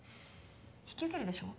引き受けるでしょ？